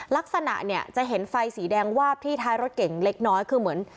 ลักษณะเนี่ยจะเห็นไฟสีแดงวาบที่ท้ายรถเก่งเล็กน้อยคือเหมือน